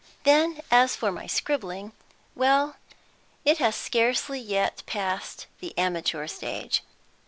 Then, as for my scribbling, well, it has scarcely yet passed the amateur stage.